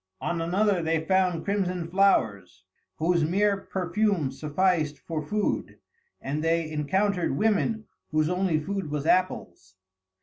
On another they found crimson flowers, whose mere perfume sufficed for food, and they encountered women whose only food was apples.